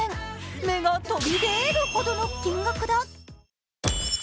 目が飛び出るほどの金額だ。